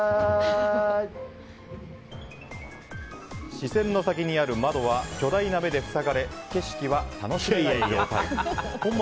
視線の先にある窓は巨大な目で塞がれ景色は楽しめない状態。